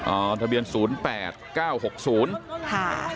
ทะเบียนศูนย์แปดเก้าหกศูนย์ค่ะ